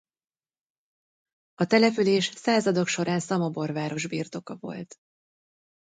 A település századok során Szamobor város birtoka volt.